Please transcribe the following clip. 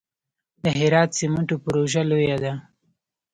د هرات سمنټو پروژه لویه ده